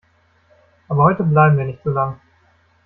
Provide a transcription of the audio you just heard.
Aber heute bleiben wir nicht so lang.